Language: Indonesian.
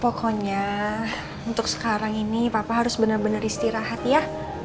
pokoknya untuk sekarang ini papa harus benar benar istirahat ya